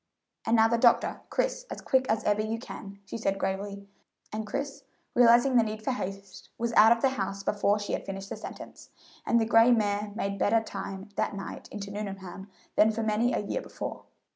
"And now the doctor, Chris, as quick as ever you can," she said gravely; and Chris, realizing the need for haste, was out of the house before she had finished the sentence, and the gray mare made better time that night into Nuneham than for many a year before.